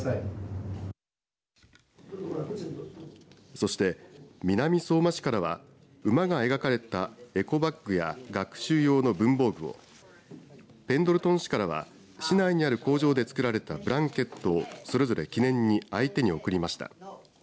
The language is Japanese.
そして、南相馬市からは馬が描かれたエコバッグや学習用の文房具をペンドルトン市からは市内にある工場で作られたブランケットをそれぞれ記念に相手に贈りました。